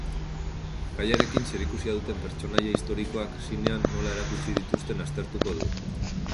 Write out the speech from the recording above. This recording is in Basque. Gaiarekin zerikusia duten pertsonaia historikoak zinean nola erakutsi dituzten aztertuko du.